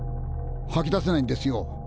はき出せないんですよ。